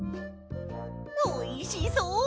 おいしそう！